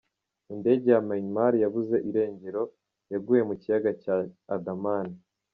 Indege ya Myanmar yabuze irengero yaguye mu kiyaga ca Andaman.